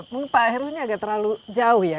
jadi pak heru ini agak terlalu jauh ya